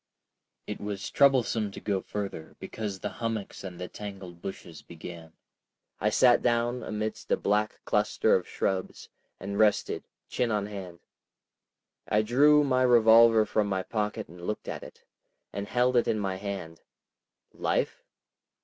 It was troublesome to go further because the hummocks and the tangled bushes began. I sat down amidst a black cluster of shrubs, and rested, chin on hand. I drew my revolver from my pocket and looked at it, and held it in my hand. Life?